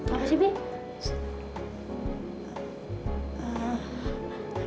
apa sih bibi